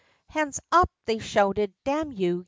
"Hands up!" they shouted "Damn you!